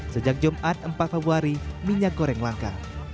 sejak jumat empat februari minyak goreng langka